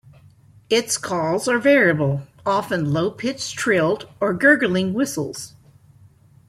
Its calls are variable, often low-pitched trilled or gurgling whistles.